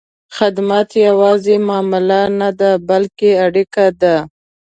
خدمت یوازې معامله نه، بلکې اړیکه ده.